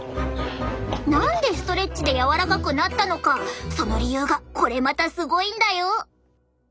何でストレッチで柔らかくなったのかその理由がこれまたすごいんだよ！